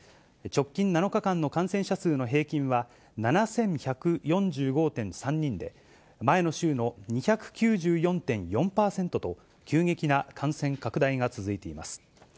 直近７日間の感染者数の平均は、７１４５．３人で、前の週の２９４．４％と、急激な感染拡大が続いています。